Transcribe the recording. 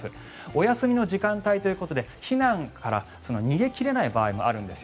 お休みの時間帯ということで逃げ切れない場合もあるんです。